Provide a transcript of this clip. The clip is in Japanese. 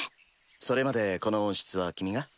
それまでこの温室は君が？